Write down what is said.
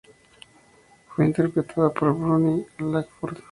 Fue interpretada por Bonnie Langford.